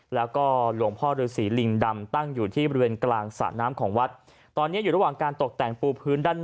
แล้วก็หลวงพ่อฤาษีลิงดำตั้งอยู่ที่เรือนกลางสะน้ำของวัด